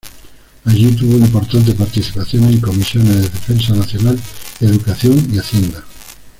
Allí tuvo importante participaciones en comisiones de Defensa Nacional, Educación y Hacienda.